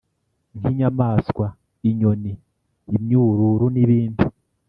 nk’inyamaswa, inyoni, imyururu n’ibindi.